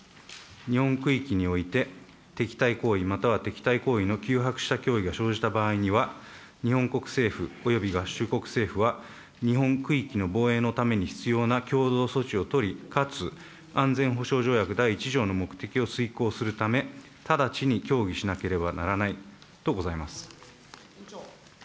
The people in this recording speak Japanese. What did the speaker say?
日本区域において、敵対行為または敵対行為の急迫した脅威が生じた場合には、日本国政府、および合衆国政府は日本区域の防衛のために必要なきょうどう措置を取り、かつ安全保障条約第１条の目的を遂行するため、直ちに協議しなければならないとございます。